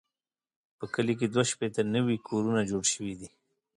په کلي کې دوه شپېته نوي کورونه جوړ شوي دي.